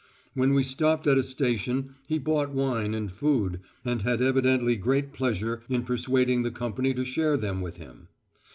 When we stopped at a station he bought wine and food, and had evidently great pleasure in persuading the company to share them with him.